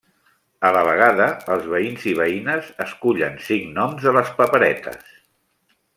A la vegada, els veïns i veïnes escullen cinc noms de les paperetes.